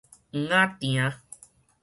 秧仔埕